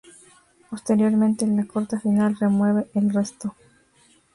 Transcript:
Posteriormente, la corta final remueve el resto.